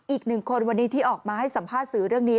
อีกหนึ่งคนวันนี้ที่ออกมาให้สัมภาษณ์สื่อเรื่องนี้